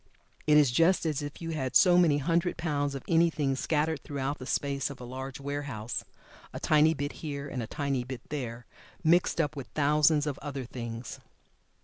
It is just as if you had so many hundred pounds of anything scattered throughout the space of a large warehouse, a tiny bit here, and a tiny bit there, mixed up with thousands of other things.